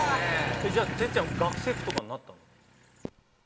じゃあ哲ちゃん学生服とかになったの？